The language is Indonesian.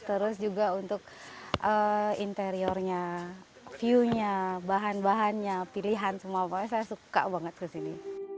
terus juga untuk interiornya view nya bahan bahannya pilihan semua makanya saya suka banget kesini